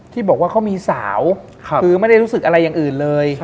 ที่บอกว่าเขามีสาวคือไม่ได้รู้สึกอะไรอย่างอื่นเลย